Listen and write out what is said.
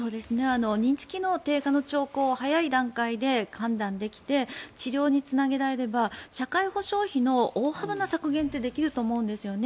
認知機能低下の兆候を早い段階で判断できて治療につなげられれば社会保障費の大幅な削減ってできると思うんですよね。